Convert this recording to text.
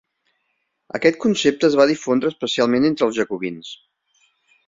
Aquest concepte es va difondre especialment entre els jacobins.